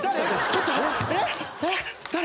ちょっとえっえっ誰？